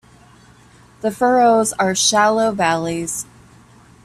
The furrows are shallow valleys.